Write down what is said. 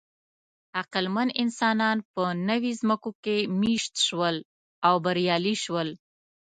عقلمن انسانان په نوې ځمکو کې مېشت شول او بریالي شول.